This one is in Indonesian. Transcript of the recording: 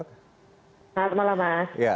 selamat malam mas